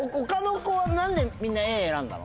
何でみんなＡ選んだの？